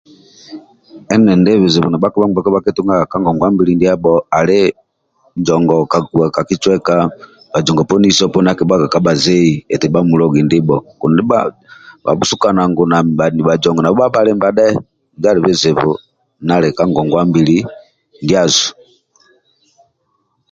Anidi bizibu ndia bhakpa bagheku bhakitungaga ka ngogwabili ndiabho ali njongo kakuwa ka ki cueka bhajogo poni iso akibhubaga kabha zei eti bhamuli logi dhibho kundi ni bha bha bhusukana bhajongo nabho bhali bhaliba dhe njo adi bizibu ndiali kagogwabili ndiasu